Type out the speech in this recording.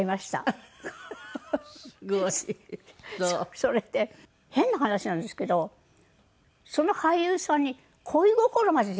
それで変な話なんですけどその俳優さんに恋心まで。